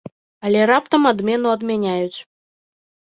Але раптам адмену адмяняюць.